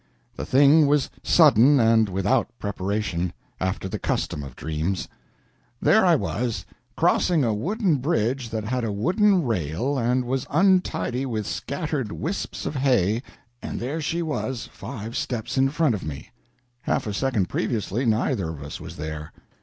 The thing was sudden, and without preparation after the custom of dreams. There I was, crossing a wooden bridge that had a wooden rail and was untidy with scattered wisps of hay, and there she was, five steps in front of me; half a second previously neither of us was there.